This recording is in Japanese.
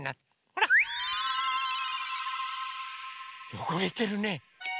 よごれてるね。